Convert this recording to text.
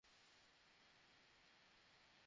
জ্বি, জাহাঁপনা।